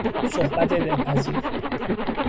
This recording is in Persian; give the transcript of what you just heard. صحبت دلپذیر